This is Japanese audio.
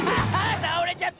たおれちゃった！